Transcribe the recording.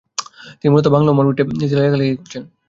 তিনি মূলত বাংলা ও মরাঠীতে লেখালেখি করেছেন।